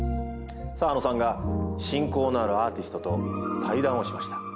澤野さんが親交のあるアーティストと対談をしました。